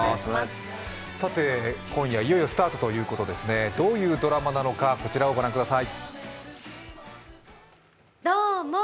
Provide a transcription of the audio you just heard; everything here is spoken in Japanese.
今夜いよいよスタートということですが、どういうドラマなのかこちらをご覧ください。